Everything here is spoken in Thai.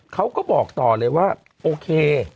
เขาก็บอกต่อเลยว่าโอเค